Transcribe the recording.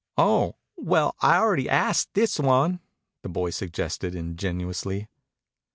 "Oh! Well, I already ast this one?" the boy suggested ingenuously.